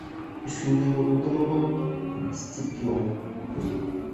Өс көнгә һуҙылдымы был, Сципион?